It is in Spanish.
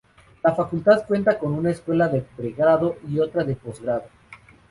La Facultad cuenta con una escuela de pregrado y otra de postgrado.